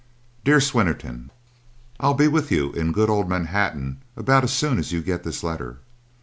"Dear Swinnerton, "I'll be with you in good old Manhattan about as soon as you get this letter.